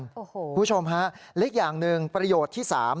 ข้อมูลคุณผู้ชมครับอีกอย่างหนึ่งประโยชน์ที่๓